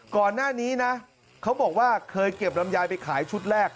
ก่อนหน้านี้นะเขาบอกว่าเคยเก็บลำไยไปขายชุดแรก